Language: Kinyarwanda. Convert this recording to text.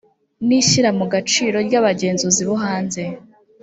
n ishyiramugaciro ry abagenzuzi bo hanze